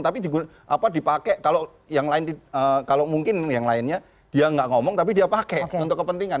tapi dipakai kalau mungkin yang lainnya dia enggak ngomong tapi dia pakai untuk kepentingan